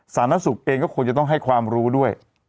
สาธารณสุขเองก็ควรจะต้องให้ความรู้ด้วย